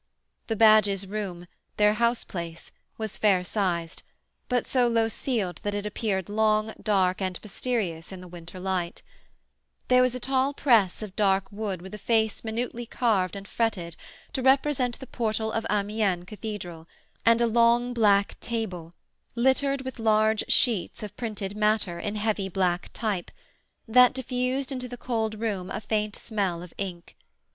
The Badges' room their houseplace was fair sized, but so low ceiled that it appeared long, dark and mysterious in the winter light There was a tall press of dark wood with a face minutely carved and fretted to represent the portal of Amiens Cathedral, and a long black table, littered with large sheets of printed matter in heavy black type, that diffused into the cold room a faint smell of ink.